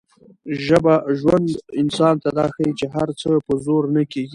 ژوند انسان ته دا ښيي چي هر څه په زور نه کېږي.